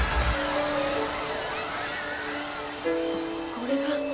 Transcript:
これが。